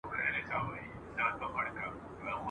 سرې لمبې په غېږ کي ګرځولای سي !.